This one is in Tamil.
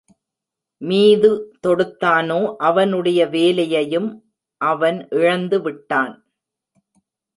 மீது தொடுத்தானோ அவனுடைய வேலையையும் அவன் இழந்து விட்டான்.